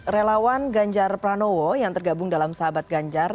relawan ganjar pranowo yang tergabung dalam sahabat ganjar